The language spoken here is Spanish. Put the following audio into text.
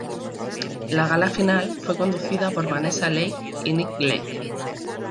La gala final fue conducida por Vanessa Lachey y Nick Lachey.